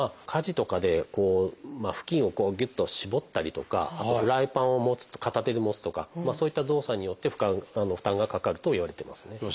家事とかで布巾をこうぎゅっと絞ったりとかあとフライパンを持つ片手で持つとかそういった動作によって負担がかかるといわれてますね。